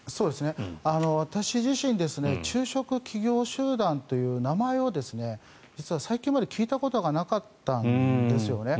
私自身中植企業集団という名前を実は最近まで聞いたことがなかったんですよね。